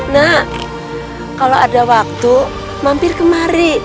nak kalau ada waktu mampir kemari